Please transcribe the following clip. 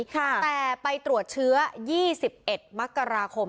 แต่ไปตรวจเชื้อ๒๑มกราคม